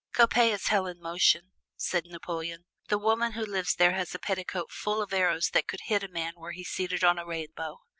"Coppet is Hell in motion," said Napoleon. "The woman who lives there has a petticoat full of arrows that could hit a man were he seated on a rainbow.